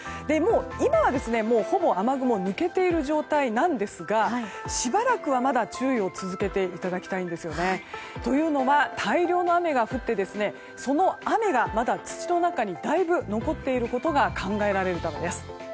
今はもうほぼ雨雲は抜けている状態なんですがしばらくはまだ注意を続けていただきたいんですね。というのは、大量の雨が降ってその雨がまだ土の中にだいぶ残っていることが考えられるからです。